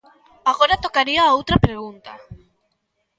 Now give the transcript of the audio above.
Agora tocaría outra pregunta.